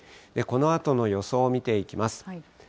このあとの予想を見ていきます。